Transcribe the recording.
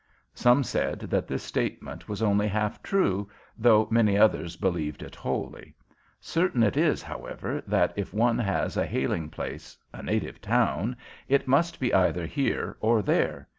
Some said that this statement was only half true, though many others believed it wholly. Certain it is, however, that if one has a hailing place, a native town, it must be either here or there.